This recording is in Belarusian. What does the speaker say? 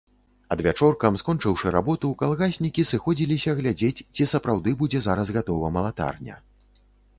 Адвячоркам, скончыўшы работу, калгаснікі сыходзіліся глядзець, ці сапраўды будзе зараз гатова малатарня.